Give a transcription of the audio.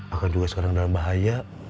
akan juga sekarang dalam bahaya